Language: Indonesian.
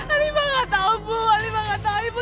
alima gak tau bu alima gak tau bu